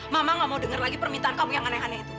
mama gak mau dengar lagi permintaan kamu yang aneh aneh itu